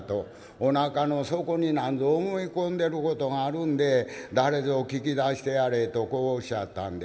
『おなかの底に何ぞ思い込んでることがあるんで誰ぞ聞き出してやれ』とこうおっしゃったんで。